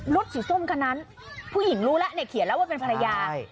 รถสีส้มคันนั้นผู้หญิงรู้แล้วเนี่ยเขียนแล้วว่าเป็นภรรยา